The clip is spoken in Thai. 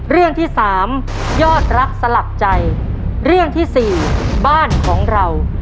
เรื่องที่สามยอดรักสลักใจเรื่องที่สี่บ้านของเรา